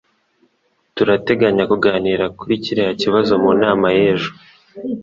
Turateganya kuganira kuri kiriya kibazo mu nama y'ejo.